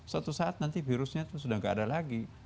suatu saat nanti virusnya tuh sudah gak ada lagi